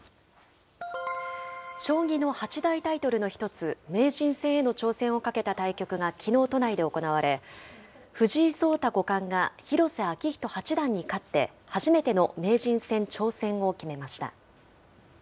将棋の八大タイトルの１つ、名人戦への挑戦を懸けた対局が、きのう都内で行われ、藤井聡太五冠が広瀬章人八段に勝って、初めての名人戦挑戦を決めました。